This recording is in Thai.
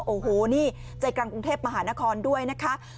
โอ้โหนี่ใจกลางกรุงเทพมหานครด้วยนะคะ